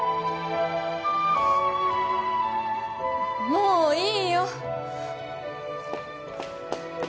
もういいよ。